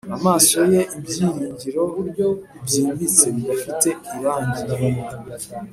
amaso ye ibyiringiro byimbitse, bidafite irangi.